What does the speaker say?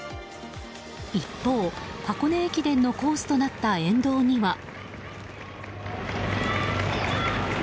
一方、箱根駅伝のコースとなった沿道には。